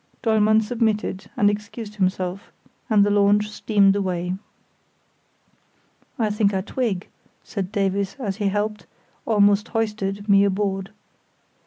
Dollmann submitted, and excused himself, and the launch steamed away. "I think I twig," said Davies, as he helped, almost hoisted, me aboard.